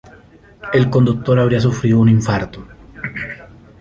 El conductor había sufrido un infarto.